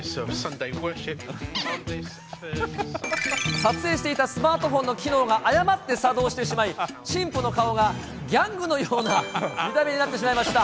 撮影していたスマートフォンの機能が誤って作動してしまい、神父の顔がギャングのような見た目になってしまいました。